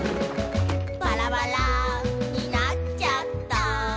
「バラバラになちゃった」